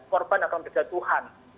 korban akan berjatuhan